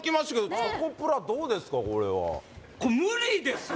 チョコプラどうですか？